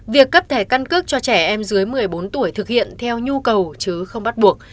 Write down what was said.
việc cấp thẻ căn cước cho trẻ em dưới một mươi bốn tuổi thực hiện theo nhu cầu